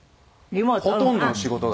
ほとんどの仕事が。